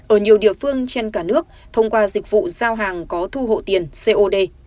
ở nhiều địa phương trên cả nước thông qua dịch vụ giao hàng có thu hộ tiền cod